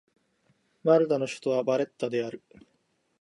マルタの首都はバレッタである